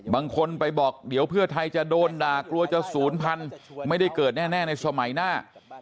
บางคนไปบอกเดี๋ยวเพื่อไทยจะโดนด่ากลัวจะศูนย์พันธุ์ไม่ได้เกิดแน่ในสมัยหน้า